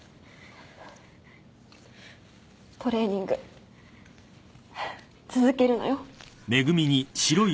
トレーニング続けるのよ。